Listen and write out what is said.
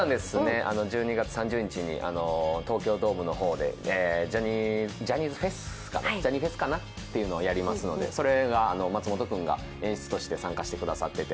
１２月３０日に東京ドームでジャニーズフェスかな、ジャニフェスっていうのをやりますのでそれが松本君が演出として参加してくださってて。